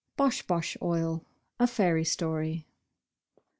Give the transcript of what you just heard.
BOSH BOSH OIL. A Fairy Story.